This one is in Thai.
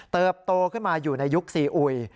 โตขึ้นมาอยู่ในยุคซีอุย